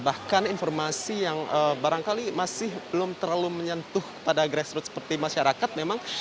bahkan informasi yang barangkali masih belum terlalu menyentuh pada grassroots seperti masyarakat memang